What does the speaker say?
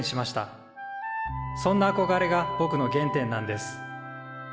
そんなあこがれがぼくの原点なんです。